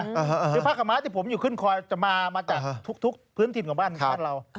คือผ้าขาวม้าที่ผมอยู่ขึ้นคอยจะมาจากทุกพื้นถิ่นของบ้านเรา